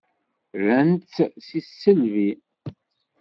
Ran-tt s tisselbi.